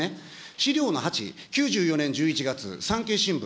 資料の８、９４年１１月、産経新聞。